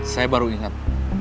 saya baru ingat